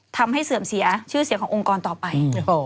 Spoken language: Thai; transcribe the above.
เสื่อมเสียชื่อเสียงขององค์กรต่อไป